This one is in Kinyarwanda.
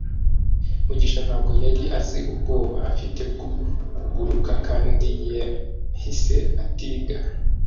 Mugisha ntabwo yari azi ubwoba afite bwo kuguruka kandi yahise atiga.